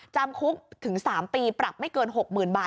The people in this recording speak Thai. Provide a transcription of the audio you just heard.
จำคุกถึง๓ปีปรับไม่เกิน๖๐๐๐บาท